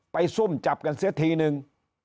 ซุ่มจับกันเสียทีนึง